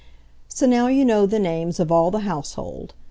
So now you know the names of all the household.